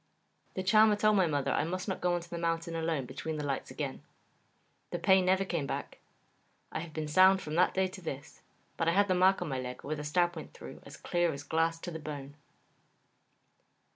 The Charmer told my mother I must not go on the mountain alone between the lights again. The pain never came back. I have been sound from that day to this, but I have the mark on my leg where the stab went through as clear as glass to the bone.